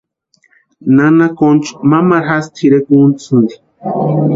Nana Concha mamaru jasï tʼirekwa úntasïnti.